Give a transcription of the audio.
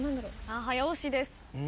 さあ早押しです。